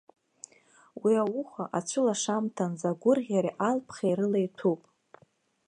Уи ауха, ацәылашамҭанӡа агәырӷьареи алԥхеи рыла иҭәуп.